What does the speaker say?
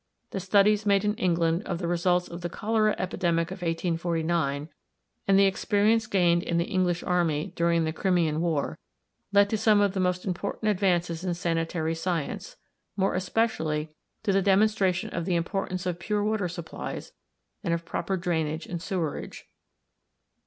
The studies made in England of the results of the cholera epidemic of 1849, and the experience gained in the English army during the Crimean war, led to some of the most important advances in sanitary science, more especially to the demonstration of the importance of pure water supplies, and of proper drainage and sewerage.